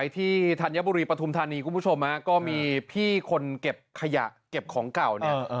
ที่ธัญบุรีปฐุมธานีคุณผู้ชมก็มีพี่คนเก็บขยะเก็บของเก่าเนี่ย